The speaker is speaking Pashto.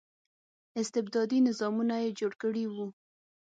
استبدادي نظامونه یې جوړ کړي وو.